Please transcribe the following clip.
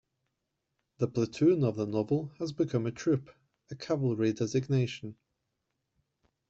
The platoon of the novel has become a troop, a Cavalry designation.